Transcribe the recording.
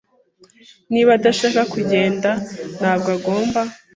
Niba adashaka kugenda, ntabwo agomba.